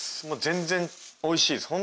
全然おいしいです。